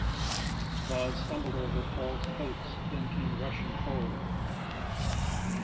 Dawes stumbled over Paul’s coats, then came rushing forward.